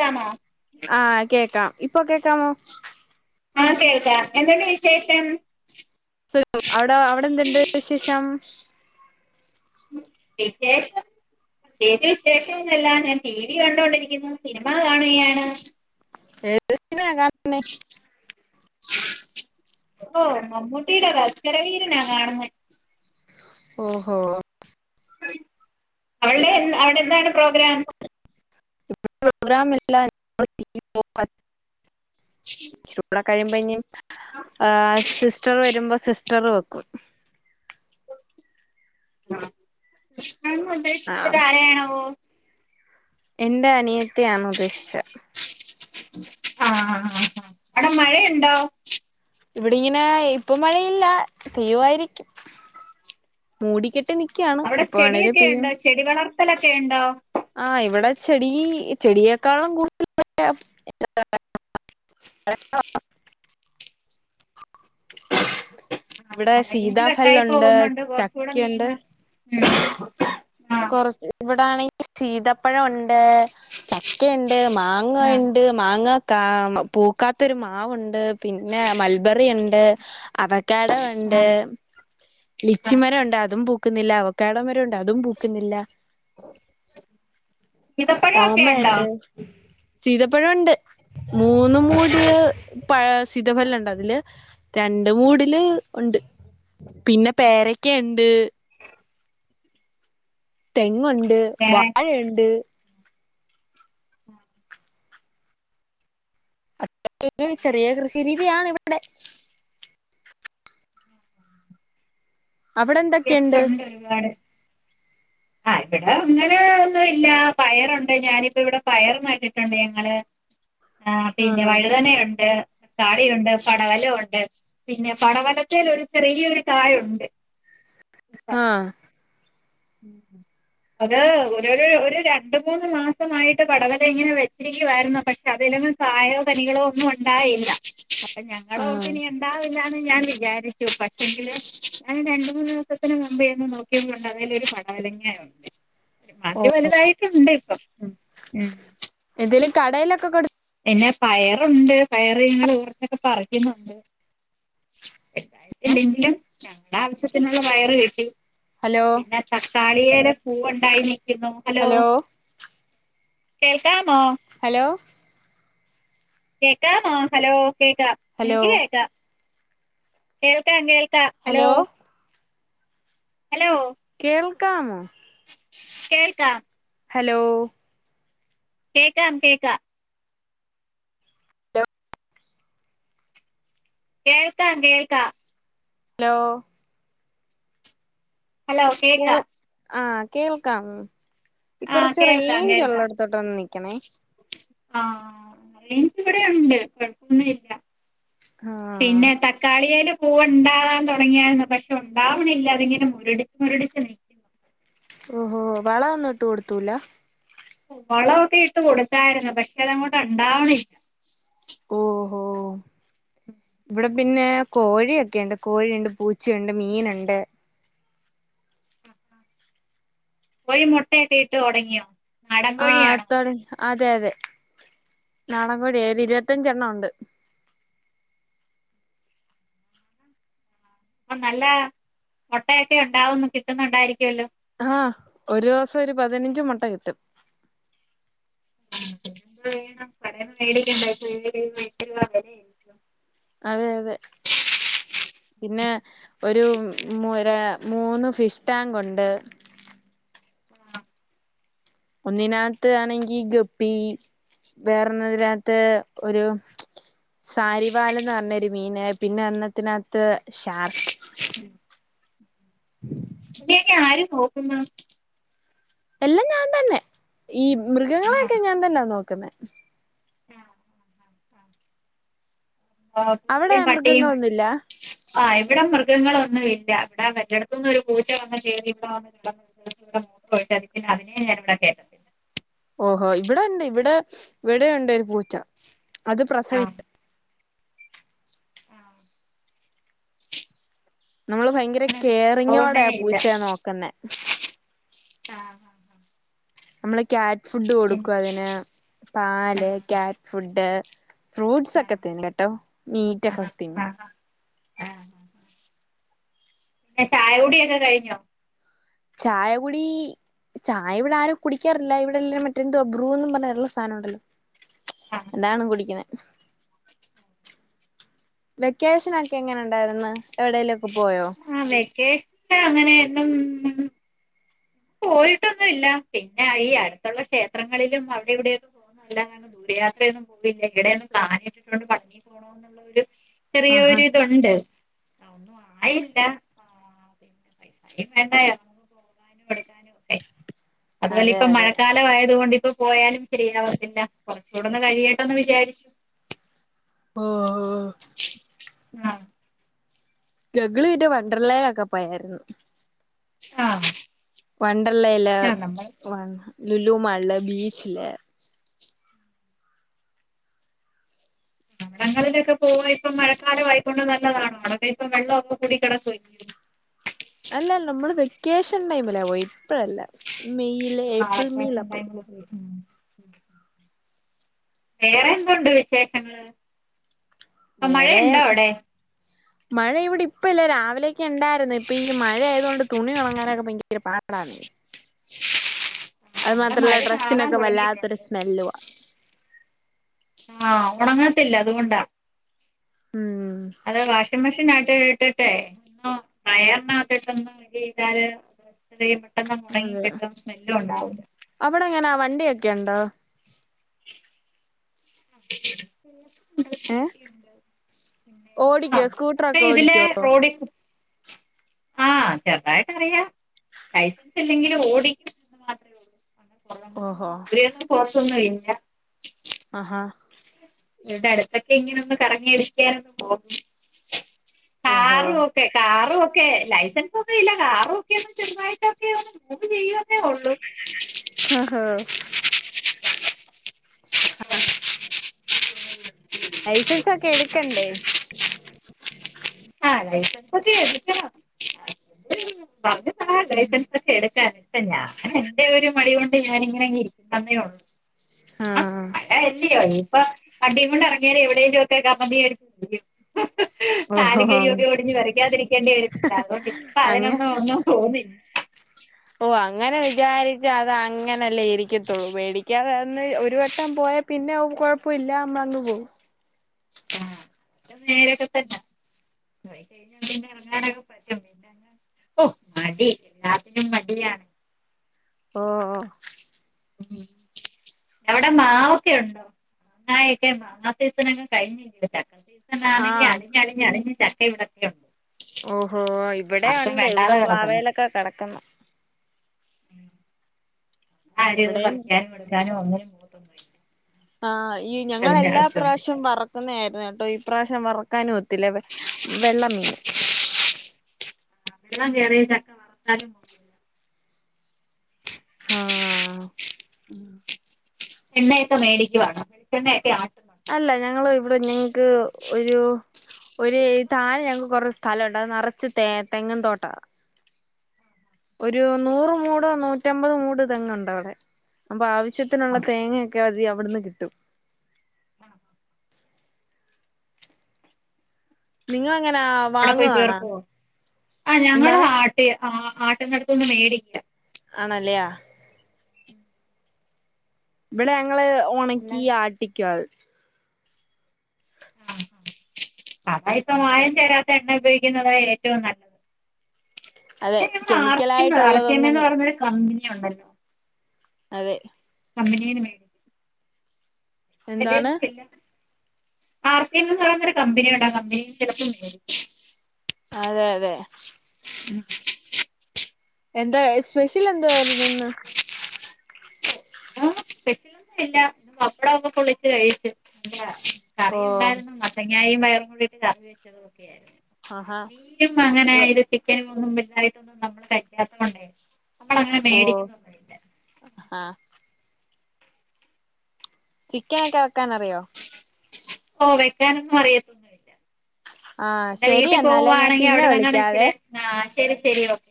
ക്കാണോ ആഹ് കേക്കാം ഇപ്പൊ കേക്കാമോ ആഹ് കേൾക്കാ എന്തുണ്ട് വിശേഷം സുഖം അവടെ അവടെന്ത്ണ്ട് വിശേഷം വിശേഷം ത്യേകിച്ച് വിശേഷൊന്നൂല്ല ഞാൻ ടി വി കണ്ടൊണ്ടിരിക്കുന്നു സിനിമ കാണുകയാണ് ഏത് സിനിമയാ കാണുന്നെ ഓഹ് മമ്മൂട്ടീടെ [unintelligible] വീരനാ കാണുന്നെ ഫോ ഹോ അവള്ടെ അവടെ എന്താണ് പ്രോഗ്രാം പ്രോഗ്രാമില്ല [inaudible] [unintelligible] ആഹ് ആഹ് സിസ്റ്റർ വെരുമ്പോ സിസ്റ്ററ് വെക്കും ആഹ് കൃഷണൻ [unintelligible] ആഹ് ആരയാണാവോ എന്റെ അനിയത്തിയാണുദ്ദേശിച്ചേ ആഹ് ആഹ് ആഹ് അവടെ മഴയുണ്ടോ ഇവിടിങ്ങനെ ഇപ്പൊ മഴയില്ല പെയ്യുവായിരിക്കും മൂടിക്കെട്ട് നി ക്ക്യാണ് അവിടെ എപ്പൊ വേണേലും ചെടിയൊക്കെ പെയ്യും ഉണ്ടോ ചെടി വളർത്തലൊക്കെ ഉണ്ടോ ആ ഇവടെ ചെടി ചെടിയെക്കാളും കൂ [inaudible] ഇവിടെ റെയ്ഞ്ച് കട്ടായി സീതാഫലുണ്ട് പോകുന്നുണ്ട് കൊർച്ചൂടെ ചക്കയുണ്ട് നീങ് കൊർച്ച് ഇവിടാണെങ്കില് ശീതപ്പഴൊണ്ട് ക്കെണ്ട് ആഹ് മാങ്ങണ്ട് മാങ്ങ കാ പൂക്കാത്തൊരു മാവുണ്ട് പിന്നെ മൾബറി ണ്ട് അവക്കാടോണ്ട് ആഹ് ലിച്ചിമരം ഉണ്ട് അതും പൂക്കുന്നില്ല അവക്കാട മരണ്ട് അതും പൂക്കുന്നില്ല [inaudible] സീതപ്പഴൊക്കെ ഉണ്ടോ ഓർമ്മയുണ്ട് ചീതപ്പഴുംണ്ട് മൂന്നും മൂടിയ പഴ ശീതഫലണ്ടതില് രണ്ട് മൂടില് ഉണ്ട് പിന്നെ പേരക്കെ ണ്ട് തെങ്ങുണ്ട് ഏഹ് വാഴണ്ട് അത്ര ചെറിയ കൃഷി രീതിയാണ് ഇവടെ അവടെന്തൊ ട്ടുണ്ട് ഒരുപാട് ആ ഇവടെ അങ്ങനെ ഒന്നുല്ല പയറുണ്ട് ഞാനിപ്പോവിടെ പയറ് നറ്റിട്ടുണ്ട് ഞങ്ങള് ആ പിന്നെ ആഹ് വഴുതനയുണ്ട് താളീരുണ്ട് പടവലൊണ്ട് പിന്നെ പടവലത്തിലൊരു ചെറിയൊരു കായുണ്ട് ആ ഉം ഉം അത് ഒരു ഒരു രണ്ട് മൂന്ന് മാസമായിട്ട് പടവല ഇങ്ങനെ വെച്ചിരിക്കുവായിരുന്നു പക്ഷെ അതില കായയോ കനികളോ ഒന്നുണ്ടായില്ല അപ്പൊ ആഹ് ഞങ്ങളോർത്തുനി ണ്ടാവില്ലന്ന് ഞാൻ വിചാരിച്ചു പക്ഷെങ്കില് ഞാൻ രണ്ട് മൂന്ന് ദിവസത്തിന് മുമ്പെന്ന് നോക്ക്യപ്പൊണ്ടത് ഒരു പടവലങ്ങ ഉണ്ട് ഓ ഇമ്മാതിരി വലുതായിട്ടുണ്ട് ഇപ്പം ഉ എന്തേലും കടയിലൊക്കെ കൊടു പിന്നെ പയറുണ്ട് പയറ് ഞങ്ങള് കുറെച്ചൊക്കെ പറിക്കുന്നുണ്ട് എന്താങ്കിലും ഞങ്ങളുടെ ആവശ്യത്തിനുള്ള പയറ് കിട്ടി ഹലോ പിന്നെ തക്കാളിയില് പൂവുണ്ടായി നിൽക്കുന്നു. ഹലോ കേൾക്കാമോ ഹലോ കേൾക്കാമോ ഹലോ കേൾക്കാം ഹലോ എനിക്ക് കേൾക്കാം കേൾക്കാം കേൾക്കാം ഹലോ കേൾക്കാമോ കേൾക്കാ ഹലോ കേക്കാം കേക്കാം കേൾക്കാ കേൾക്കാം ഹലോ ഹലോ കേക്കാ ആഹ കേൾക്കാം ആ കുറച്ച് കേൾക്കാം റെയിഞ്ച്ള്ള കേൾക്കാം അടുത്തോട്ട്ന്ന് നിക്കണേ ആ എനിക്ക് ഇവിടെുണ്ട് കൊഴപ്പൊന്നും ഇല്ല ആഹ പിന്നെ തക്കാളിൽ പൂവ് ഉണ്ടകാൻ തുടങ്ങിയായിരുന്നു പക്ഷെ ഉണ്ടാവണില്ല അതിങ്ങനെ മുരടിച്ച് മുരടിച്ച് ന ഓഹോ വളം ഒന്നും ഇട്ട് കൊടുത്തൂല വളക്കെ ഇട്ട് കൊടുത്തായിരുന്നു പക്ഷെ അതങ്ങോട്ട് ഉണ്ടാവണില്ല ഓഹോ ഇവിടെ പിന്നെ കോഴിയൊക്കെണ്ട് കോഴിയുണ്ട്, പൂച്ചയുണ്ട്, മീനുണ്ട് കോഴി മുട്ടയൊക്കെ ഇട്ട് തുടങ്ങിയോ? നാടൻ ആ കോഴിയാണോ അത്തോടെ അതെ അതെ നാടൻ കോഴിയ ഒരു ഇരുപത്തഞ്ചെണ്ണണം ഉണ്ട്. അപ്പൊ നല്ല മുട്ടയൊക്കെ ഉണ്ടാവുന്നു കിട്ടുന്നുണ്ടായിരിക്കുമല്ലോ ആഹ ഒരു ദിവസം ഒരു പതിനഞ്ച് മുട്ട കിട്ടും. വേണം കടോല്ന്ന് മേടിക്കണ്ട [unintelligible] അതെ അതെ പിന്നെ ഒരു മുര മൂന്ന് ഫിഷ് ടാങ്ക് ഉണ്ട് ഒന്നിനകത്ത് ആണെങ്കി ഗപ്പി വേറെതിനകത്ത് ഒരു സാരിവാലന്ന് പറഞ്ഞരു മീന് പിന്നെ ഒന്നത്തിനകത്ത് ഷാർക്ക് [inaudible] [unintelligible] ആരും നോക്കുന്നു എല്ലാം ഞാൻ തന്നെ ഈ മൃഗങ്ങളെയൊക്കെ ഞാൻ തന്നാ നോക്കുന്നത്. ആഹ ആഹ [unintelligible] ആഹ അവിടെ മൃഗങ്ങളൊന്നുല്ല ഇവിടെ മൃഗങ്ങളൊന്നും ഇല്ല ഇവിടെ മറ്റടത്തന്ന ഒരു പൂച്ച വന്ന കേറി [unintelligible] [unintelligible] ഓഹോ ഇവിടെ ഉണ്ട് ഇവിടെ ഇവിടെണ്ട് ഒരു പൂച്ച അത് ആഹ് പ്രസവിച്ച ആഹ് നമ്മള് ഇവിടെ ഭയങ്കര അങ്ങനെ ഒരു സംഭവമേ കേറിങ്ങോടയാ ഇല്ല പൂച്ചയ നോക്കുന്നെ ആഹ് ആഹ് നമ്മള് ക്യാറ്റ് ഫുഡ് പിന്നെ കൊടുക്കും അതിന് പാല് ആഹ് ക്യാറ്റ് ഫുഡ് ഫ്രൂട്ടസ് ഒക്കെ തിന്നുലട്ടോ മീറ്റ് ഒക്കെ തിന്നും. ആഹ പിന്നെ ചായകുടിയൊക്കെ കഴിഞ്ഞോ? ചായ കുടി ചായവടെ ആരും കുടിക്കാറില്ല ഇവിടെ എല്ല മറ്റെന്തോ ബ്രുന്നും പറഞ്ഞുള്ള [unintelligible] സാനണ്ടല്ലോ അതാണ് കുടിക്ക്‌ണെ വെക്കേഷനൊക്കെ എങ്ങനെ ഉണ്ടായിര്ന്ന് എവിടേലൊക്കെ പോയോ ആ വെക്കേഷനങ്ങനെ ഉം ഉം പോയിട്ടൊന്നുല്ല പിന്നെ ഈ അടുത്തുള്ള ക്ഷേത്രങ്ങളിലും അവിടെ ഇവിടെയൊക്കെ [unintelligible] ആഹാ ചെറിയൊരുതുണ്ട് ഒന്നും ആയില്ല അ വേണ്ടായ നമ്മക്ക് പോകാനും എടുക്കാനൊക്കെ അതുപോലെ അതെ ഇപ്പൊ അതെ മഴക്കാലം ആയത് കൊണ്ട് ഇപ്പ പോയാലും ശരിയാവത്തില്ല കൊർച്ചൂടൊന്ന് കഴിയട്ടെന്ന് വിചാരിച്ചു ഓ ഓ [unintelligible] ഞങ്ങള് പിന്നെ വണ്ടർ ലേ ഒക്കെ പോയായിരുന്നു ആ വണ്ടർലേല് ആ നമ്മൾ ലുലുമാളില്, ബീച്ചില് അവിടങ്ങളിലൊക്കെ പോവാ ഇപ്പൊ മഴക്കാലം ആയിക്കൊണ്ട് നല്ലതാ അവിടൊക്കെ ഇപ്പൊ വെള്ളൊക്കെ കൂടി കെടക്കുവ അല്ല നമ്മള് വെക്കേഷൻ ടൈമിലാ പോയി ഇപ്പഴല്ല മെയ്യില് ആ ഏപ്രിൽ മെയ്ലാ വെക്കേഷൻ പോയത് ടൈമില് ഉം വേറെന്തുണ്ട് വിശേഷങ്ങള് ഇപ്പൊ വേറെ മഴയുണ്ടോ അവിടെ മഴ ഇവടെ ഇപ്പല്ല രാവിലെയൊക്കെണ്ടായിരുന്നു ഇപ്പൊ ഈ മഴായതോണ്ട് തുണി ഒണങ്ങാനൊക്കെ ഭയങ്കര പാടാന്നെ അത് ആ ഇവിടെ മാത്രല്ല മഴ ചാറാൻ ഡ്രസ്സിനൊക്കെ വല്ലാത്തൊരു തുടങ്ങിയിട്ടുണ്ട് സ്മെല്ലുവ ആ ഒണങ്ങത്തില്ല അത് കൊണ്ടാണ് ഉം അത് വാഷി മെഷീനാണ്ട് ഇട്ട് [unintelligible] പെട്ടെന്നങ് ഒണങ്ങി കിട്ടും സ്മെല്ലും ണ്ടാവൂല്ല അവടെങ്ങനാ വണ്ടിയൊക്കെണ്ടോ ഇന്ന് ഏ ഡ്യൂട്ടിയുണ്ട് ആ ഓടിക്കോ പ്പ സ്കൂട്ടറൊക്കെ ഇതിലെ ഓടിക്കോ റോഡി കൂ ആഹ് ചെറുതായിട്ട് അറിയാം [unintelligible] ക്കില്ലെങ്കിലും ഓടി [unintelligible] ഓഹോ [unintelligible] ആഹാ ഇവിടെ അടുത്തൊക്കെങ്ങനൊന്ന് കറങ്ങിയടിക്കാനൊക്കെ പോവും ഓഹോ കാറും ഒക്കെ കാറും ഒക്കെ ലൈസൻസൊന്നും ഇല്ല കാറ് ഒക്കെ ഒന്ന് ചെറുതായിട്ടൊക്കെ ഒന്ന് മൂവ് ചെയ്യുന്നേ ഒള്ളൂ ഹ ഹാ [inaudible] ആഹ് ലൈസൻസൊക്കെ എടുക്കണ്ടേ ആഹ് ലൈസൻസൊക്കെ എടുക്കണം അത് [unintelligible] ആഹ് ലൈസൻസൊക്കെ എടുക്കാനിപ്പോ ഞാനെന്റെ ഒരു മടി കൊണ്ട് ഞാനിങ്ങനങ്ങ് ഇരിക്കുന്നേള്ളൂ പോണം ആഹ് മഴയല്ലെയോ ഇപ്പം വണ്ടിങൊണ്ട് എറങ്ങിയാലെ [unintelligible] ഓഹോ കാലും കൈയൊക്കെ ഒടിഞ്ഞ് പെരക്ക കതിരിക്കേണ്ടേ രും അതുകൊണ്ട് ഇപ്പൊ അതിനൊന്നും ഒന്നും പോവുന്നില്ല ഓഹ് അങ്ങനെ വിചാരിച്ച അത് അങ്ങനല്ലേ ഇരിക്കത്തൊള്ളൂ പേടി ക്കാതൊന്ന് ഒരു വട്ടം പോയാ പിന്നെ കൊഴപ്പല്ല മറന്ന് പോവും ആഹ് അത് നേരൊക്കെ തന്നെ പോയി കഴിഞ്ഞാൽ പിന്നെ ഇറങ്ങാനൊക്കെ പറ്റും പിന്നെ ഓഹ് മടി എല്ലാത്തിനും മടിയാണ് ഓഹ് ഉം അവിടെ മാവൊക്കെ ഉണ്ടോ മാങ്ങായൊക്കെ മാങ്ങാ സീസനൊക്കെ കഴിഞ്ഞില്ലേ ഇപ്പൊ ചക്ക സീസ ണെങ്കിൽ ആഹ് അളിഞ്ഞ് അളിഞ്ഞ് അളിഞ്ഞ് ചക്ക ഇവിടെ ഓഹോ ഇവിടെ ആർക്കും ഉണ്ട് ഇവിടെ വേണ്ടാതെ കിടക്കുന്നു പ്ലാവേലൊക്കെ കിടക്കുന്നു ആരും ഇവിടെ ഇവിടെയും പറിക്കാനും എടുക്കാനും ഒന്നിനും പോകത്തൊന്നുമില്ല ആഹ് ഈ ഇപ്പൊ അതിന്റെ ഞങ്ങളെല്ലാ ആവശ്യമൊന്നുമില്ല പ്രാവശ്യം വറക്കുന്നതായിരുന്നു കേട്ടോ ഈ പ്രാവശ്യം വറക്കാനും ഒ ത്തില്ലാ വെള്ളം വീണു വെള്ളം കേറിയ ചക്ക വർത്താലും കൊ ആഹ് ഉം എണ്ണയൊക്കെ മേടിക്കുവാണോ വെളിച്ചെണ്ണയൊക്കെ ആട്ടോ അല്ല ഞങ്ങള് ഇവിടെ ഞങ്ങക്ക് ഒരു ഒരു താഴെ ഞങ്ങക്ക് കുറെ സ്ഥലോണ്ട് അത് നെറച്ച് തെ തെങ്ങും തോട്ടാ ഒരു നൂറ് മൂടോ നൂറ്റമ്പത് മൂട് തെങ്ങ്ണ്ടവിടെ അപ്പൊ ആവശ്യ ശ്യത്തിനുള്ള തേങ്ങയൊക്കെ അതി അവിടുന്ന് കിട്ടും ഉം നിങ്ങളെങ്ങനാ അവിടെ പോയി വാങ്ങുവാണോ പെർക്കോ ആഹ് ഞങ്ങള് എന്താണ് ആട്ടി ആട്ടുന്നെടുത്തുന്ന് മേടിക്കാ ആണല്ലെയാ ഇവിടെ ഞങ്ങള് അല്ല ഒണക്കി ആട്ടിക്കാ അതാ ഇപ്പ മായം ചേരാത്ത എണ്ണ ഉപയോഗിക്കുന്നത് ഏറ്റവും നല്ലത് അതെ പിന്നെ ഞങ്ങള് R C M R C M കെമിക്കലായിട്ടുള്ളതൊന്നും എന്ന് പറയുന്നൊരു കമ്പനി ഒണ്ടല്ലോ അതെ കമ്പനിയുടെ എന്താണ് ടൊന്നും ഇല്ല ആർ സി എം എന്ന് പറയുന്നൊരു കമ്പനിയുണ്ട് കമ്പനി ചിലപ്പോ മേടി അതെ അതെ [inaudible] എന്താ സ്പെഷ്യൽ എന്തായിരുന്നു ഇന്ന്. സ്പെഷ്യല് ഒന്നുല്ല വപ്പടൊ ഒക്കെ പൊള്ളിച്ച് കഴിച്ച് നല്ല ഓ കറിയുണ്ടായിരുന്നു മത്തങ്ങായും പയറും കൂടിട്ട് കറി വെച്ചതൊക്കെയിരുന്നു ആഹാ മീനും അങ്ങനെ ഇതിട്ടി കെനിവൊന്നും വെൽതായിട്ടൊന്നും നമ്മള് കഴികാത്തകൊണ്ടേ നമ്മളങ്ങനെ ഓ മേടിക്കുന്നൊന്നും ആഹ് ചിക്കനൊക്കെ വെക്കാനറിയോ ഓ വെക്കാനൊന്നും അറിയത്തൊന്നുയില്ല ആഹ് എന്റെ ശരി വീട്ടി എന്നാലേ ഞാൻ പോവാണെങ്കി പിന്നെ അവുടെ തന്നേ വിളിക്കാവേ നിക്കല് ആഹ് ശരി ശരി ഓക്കേ